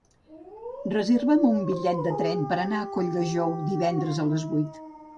Reserva'm un bitllet de tren per anar a Colldejou divendres a les vuit.